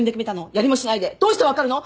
やりもしないでどうして分かるの！？